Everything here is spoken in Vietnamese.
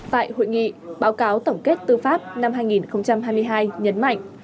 tại hội nghị báo cáo tổng kết tư pháp năm hai nghìn hai mươi hai nhấn mạnh